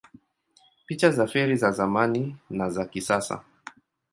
Picha za feri za zamani na za kisasa